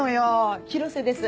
広瀬です